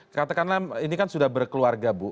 karena ini kan sudah berkeluarga bu